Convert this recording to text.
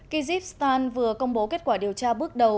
kyjibstan vừa công bố kết quả điều tra bước đầu